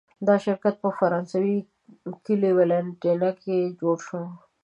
دا شرکت په فرانسوي کلي ولانتینیه کې جوړ شو.